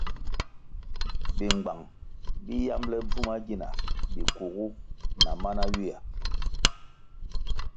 Bingbang bi yamble bvuma gina bikugu na mana ywia.